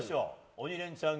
「鬼レンチャン」